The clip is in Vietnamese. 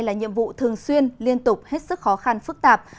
là nhiệm vụ thường xuyên liên tục hết sức khó khăn phức tạp